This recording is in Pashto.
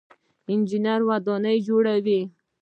انجنیر ودانۍ جوړوي.